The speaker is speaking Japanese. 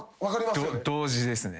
同時ですね。